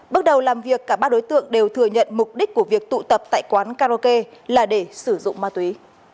bước đầu làm việc cả ba đối tượng đều thừa nhận mục đích của việc tụ tập tại quán karaoke là để sử dụng ma túy